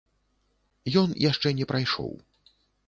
Ён яшчэ не прайшоў.